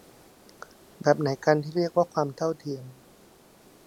แบบไหนกัน ที่เรียกว่าความเท่าเทียม